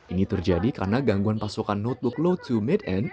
ini terjadi karena gangguan pasokan notebook low to made end